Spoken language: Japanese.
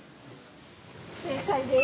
正解です。